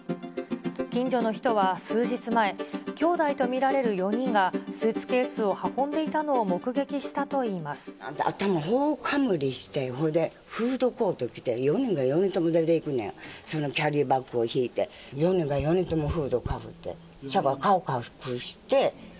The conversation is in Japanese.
近所の人は、数日前、きょうだいと見られる４人がスーツケースを運んでいたのを目撃し頭ほおかむりして、フードコート着て４人が４人とも出ていくねん、その、キャリーバッグを引いて、４人が４人ともフードかぶって、顔隠して。